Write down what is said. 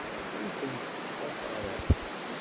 Ur tent-ttḍafareɣ.